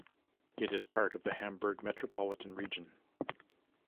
It is part of the Hamburg Metropolitan Region.